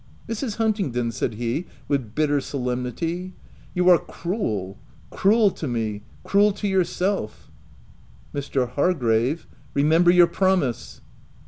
"Mrs. Huntingdon," said he with bitter solemnity, " you are cruel — cruel to me — cruel to yourself." * Mr. Hargrave, remember your promise."